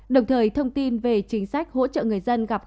đồng thời thông tin về chính sách hỗ trợ người dân gặp